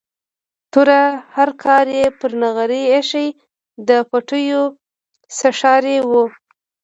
توره هرکاره یې پر نغري ایښې، د پوټیو څښاری و.